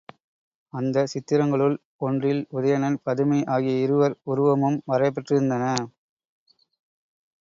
அந்தச் சித்திரங்களுள் ஒன்றில் உதயணன் பதுமை ஆகிய இருவர் உருவமும் வரையப் பெற்றிருந்தன.